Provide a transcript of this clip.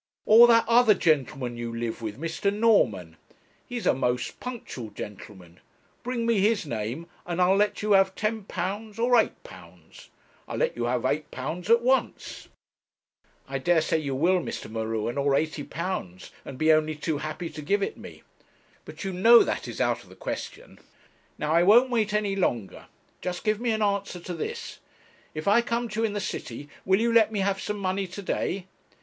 'Or that other gentleman you live with; Mr. Norman. He is a most punctual gentleman. Bring me his name, and I'll let you have £10 or £8 I'll let you have £8 at once.' 'I dare say you will, Mr. M'Ruen, or £80; and be only too happy to give it me. But you know that is out of the question. Now I won't wait any longer; just give me an answer to this: if I come to you in the city will you let me have some money to day?